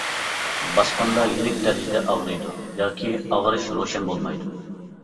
باسقاندا يېنىك دەرىجىدە ئاغرىيدۇ ياكى ئاغرىش روشەن بولمايدۇ.